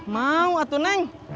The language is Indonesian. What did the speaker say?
mau atu neng